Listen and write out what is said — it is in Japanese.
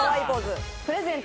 プレゼント